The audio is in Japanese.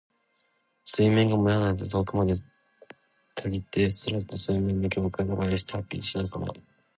水面がもやなどで遠くまで煙って、空と水面の境界がぼんやりしてはっきりとしないさま。